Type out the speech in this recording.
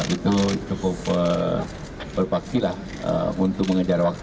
itu cukup berpaktilah untuk mengejar waktu